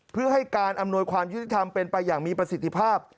เพื่อให้การอำนวยความยุติธรรมเป็นไปอย่างมีประสิทธิภาพ